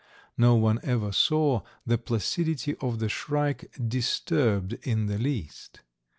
No one ever saw the placidity of the shrike disturbed in the least.